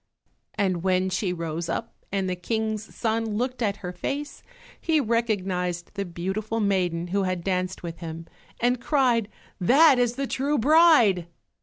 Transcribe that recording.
And when she rose up and the King's son looked at her face he recognized the beautiful maiden who had danced with him and cried, "That is the true bride!"